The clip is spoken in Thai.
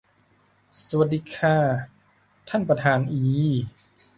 สวัสดีค่ะ ท่านประธานอี